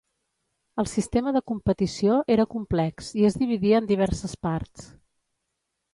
El sistema de competició era complex i es dividia en diverses parts.